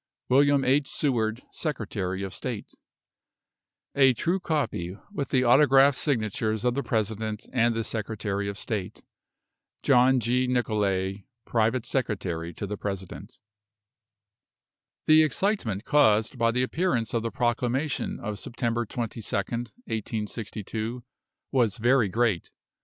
WILLIAM H. SEWARD, Secretary of State. A true copy, with the autograph signatures of the President and the Secretary of State. JOHN G. NICOLAY, Priv. Sec. to the President. The excitement caused by the appearance of the proclamation of September 22nd, 1862, was very great.